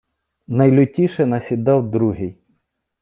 Найлютіше насідав Другий.